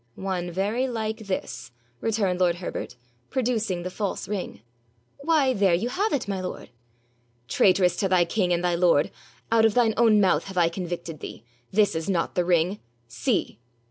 'One very like this,' returned lord Herbert, producing the false ring. 'Why, there you have it, my lord!' 'Traitress to thy king and thy lord, out of thine own mouth have I convicted thee. This is not the ring. See!'